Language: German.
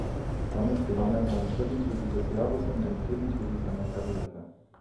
Damit gewann er seinen dritten Titel des Jahres und den vierten Titel seiner Karriere.